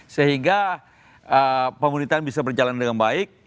sehingga pemerintahan bisa berjalan dengan baik